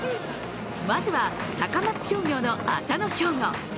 まずは高松商業の浅野翔吾。